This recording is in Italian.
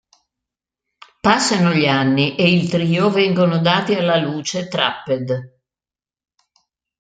Passano gli anni e il trio vengono dati alla luce "Trapped!